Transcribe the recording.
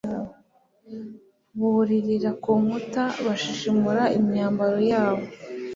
buririra ku nkuta, bashishimura imyambaro yabo